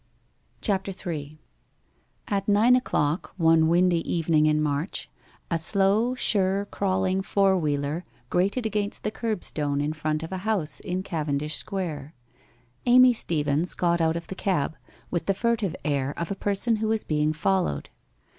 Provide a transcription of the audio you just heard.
CHAPTER III At nine o'clock, one windy evening in March a slow sure crawling four wheeler grated against the kerbstone in front of a house in Cavendish Square. Amy Steevens got out of the cab, with the furtive air of a person who is being followed.